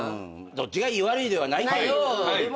どっちがいい悪いではないけどでも